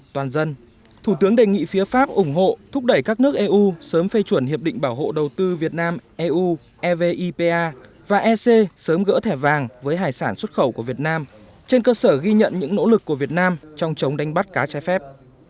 toàn dân thủ tướng đề nghị phía pháp ủng hộ thúc đẩy các nước eu sớm phê chuẩn hiệp định bảo hộ đầu tư việt nam eu evipa và ec sớm gỡ thẻ vàng với hải sản xuất khẩu của việt nam trên cơ sở ghi nhận những nỗ lực của việt nam trong chống đánh bắt cá trái phép